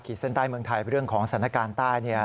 เส้นใต้เมืองไทยเรื่องของสถานการณ์ใต้